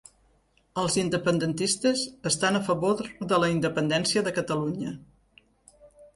Els independentistes estan a favor de la independència de Catalunya.